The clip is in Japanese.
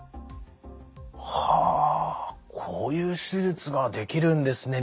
はあこういう手術ができるんですね